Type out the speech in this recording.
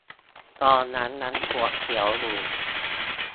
ตอนนั้นยังขวดเขียวอยู่